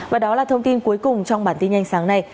và đó là thông tin cuối cùng trong bản tin nhanh sáng nay